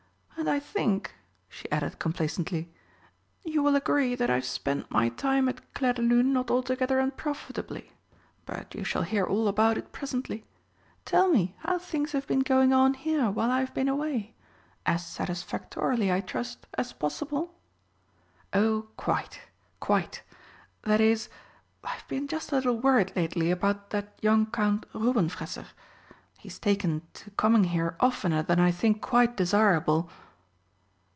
And I think," she added complacently, "you will agree that I have spent my time at Clairdelune not altogether unprofitably. But you shall hear all about it presently. Tell me how things have been going on here while I have been away. As satisfactorily, I trust, as possible?" "Oh, quite quite that is, I've been just a little worried lately about that young Count Rubenfresser. He has taken to coming here oftener than I think quite desirable."